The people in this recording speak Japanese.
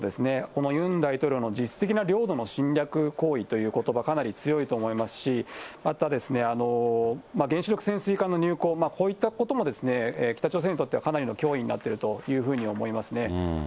このユン大統領の実質的な領土の侵略行為ということば、かなり強いと思いますし、また、原子力潜水艦の入港、こういったことも北朝鮮にとってはかなりの脅威になっているというふうに思いますね。